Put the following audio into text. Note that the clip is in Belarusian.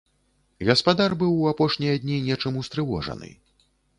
Гаспадар быў у апошнія дні нечым устрывожаны.